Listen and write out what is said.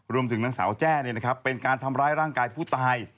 รวมถึงนางสาวแจ้เป็นการทำร้ายร่างกายผู้ตาย